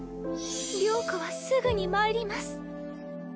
了子はすぐに参ります。